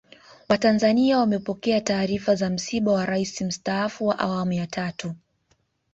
Watanzania wamepokea taarifa za msiba wa Rais Mstaafu wa Awamu ya Tatu